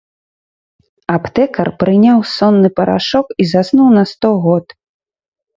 Аптэкар прыняў сонны парашок і заснуў на сто год.